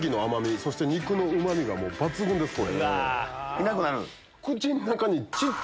いなくなるん？